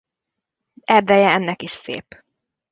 Erdeje ennek is szép.